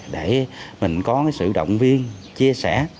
để mình có sự động viên chia sẻ